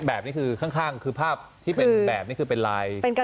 แบบนี้คือข้างคือภาพที่เป็นแบบนี้คือเป็นลาย